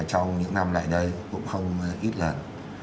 trong những năm lại đây cũng không ít lần